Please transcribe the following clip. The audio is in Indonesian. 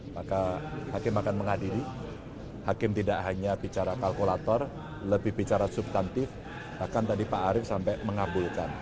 maka hakim akan menghadiri hakim tidak hanya bicara kalkulator lebih bicara substantif bahkan tadi pak arief sampai mengabulkan